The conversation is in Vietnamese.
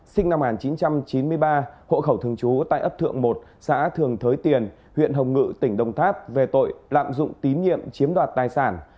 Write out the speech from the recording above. sinh năm một nghìn chín trăm chín mươi ba hộ khẩu thường trú tại ấp thượng một xã thường thới tiền huyện hồng ngự tỉnh đồng tháp về tội lạm dụng tín nhiệm chiếm đoạt tài sản